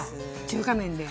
中華麺で。